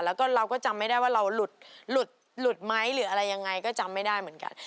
แล้วก็เราก็จำไม่ได้ว่าเราหลุดไหมหรืออะไรยังไงก็จำไม่ได้เหมือนกัน